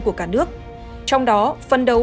của cả nước trong đó phân đấu